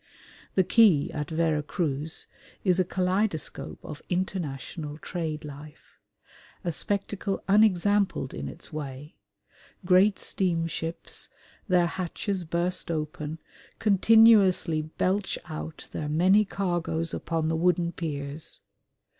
The quay at Vera Cruz is a kaleidoscope of international trade life: a spectacle unexampled in its way. Great steamships their hatches burst open continuously belch out their many cargoes upon the wooden piers.